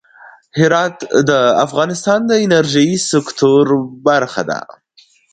هرات د افغانستان د انرژۍ سکتور برخه ده.